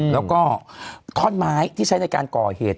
แล้วก็ท่อนไม้ที่ใช้ในการก่อเหตุ